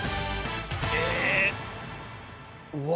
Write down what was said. えうわ